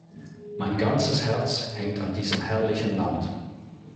Mein ganzes Herz hängt an diesem herrlichen Land.